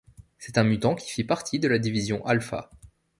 C'est un mutant qui fit partie de la Division Alpha.